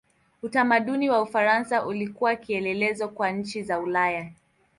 Utamaduni wa Ufaransa ulikuwa kielelezo kwa nchi za Ulaya.